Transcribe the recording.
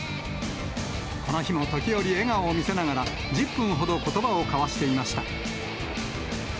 この日も時折、笑顔を見せながら、１０分ほどことばを交わしていました。